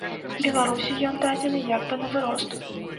Беларусі ён дадзены як бы навырост.